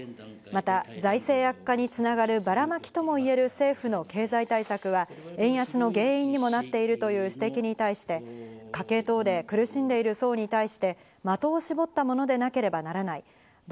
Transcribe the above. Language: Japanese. また財政悪化に繋がる、バラマキともいえる政府の経済対策は円安の原因にもなっているという指摘に対して、家計等で苦しんでいる層に対して的を絞ったものでなければならない。